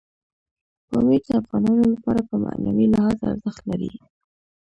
پامیر د افغانانو لپاره په معنوي لحاظ ارزښت لري.